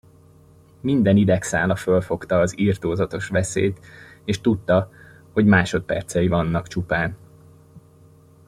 Minden idegszála fölfogta az irtózatos veszélyt, és tudta, hogy másodpercei vannak csupán.